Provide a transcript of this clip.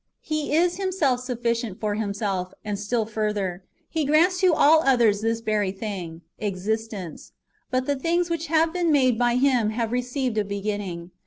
He is Himself sufficient for Himself; and still further, He grants to all others this very thing, existence ; but the things which have been made by Him have received a beginning.